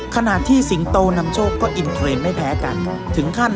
ขณะที่สิงโตนำโชคก็อินเทรนด์ไม่แพ้กันถึงขั้น